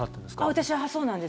私は、そうなんです。